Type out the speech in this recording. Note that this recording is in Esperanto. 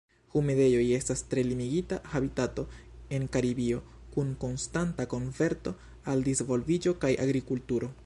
Humidejoj estas tre limigita habitato en Karibio, kun konstanta konverto al disvolviĝo kaj agrikulturo.